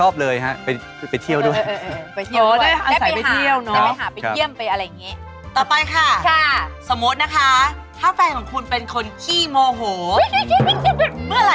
อ๋อเผื่อคิดถึงเนอะ